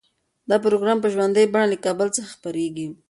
دا پروګرام په ژوندۍ بڼه له کابل څخه خپریږي.